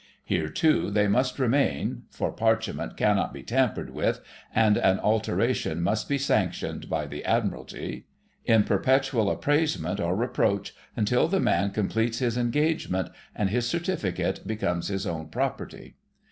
Here, too, they must remain (for parchment cannot be tampered with, and an alteration must be sanctioned by the Admiralty) in perpetual appraisement or reproach until the man completes his Engagement and his Certificate becomes his own property.